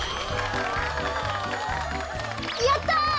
やった！